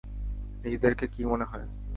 নিজেদেরকে কি মনে হয়?